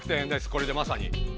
これでまさに。